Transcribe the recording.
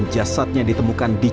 terus cepat ditunjukin ya